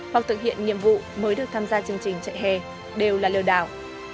hoặc thực hiện nhiệm vụ mới được tham gia chương trình chạy hè đều là lừa đảo